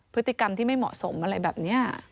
พฤติกรรมที่ไม่เหมาะสมอะไรแบบนี้